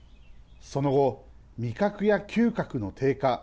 その後、味覚や嗅覚の低下